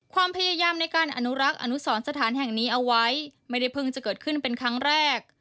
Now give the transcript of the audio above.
ความพยายามในการอนุรักษ์อนุสรสถานแห่งนี้เอาไว้ไม่ได้เพิ่งจะเกิดขึ้นเป็นครั้งแรก